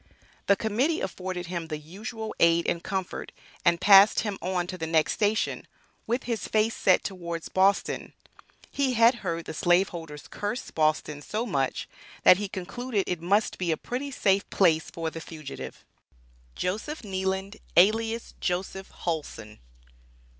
The Committee afforded him the usual aid and comfort, and passed him on to the next station, with his face set towards Boston. He had heard the slaveholders "curse" Boston so much, that he concluded it must be a pretty safe place for the fugitive. JOSEPH KNEELAND, ALIAS JOSEPH HULSON.